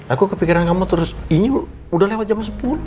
aku kepikiran kamu terus ini udah lewat jam sepuluh